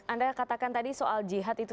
anda katakan tadi soal jihad itu